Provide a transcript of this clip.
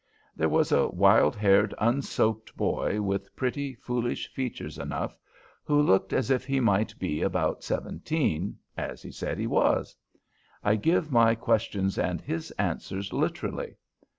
There was a wild haired, unsoaped boy, with pretty, foolish features enough, who looked as if he might be about seventeen, as he said he was. I give my questions and his answers literally.